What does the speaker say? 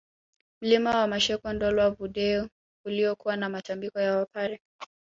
Mlima wa Masheko Ndolwa Vudee uliokuwa na Matambiko ya Wapare